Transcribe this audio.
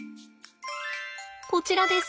こちらです。